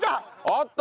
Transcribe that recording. あった！